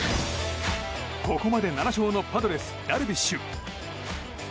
ここまで７勝のパドレス、ダルビッシュ。